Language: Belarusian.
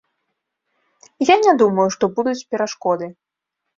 Я не думаю, што будуць перашкоды.